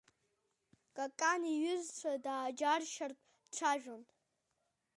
Какан иҩызцәа дааџьаршьартә дцәажәон.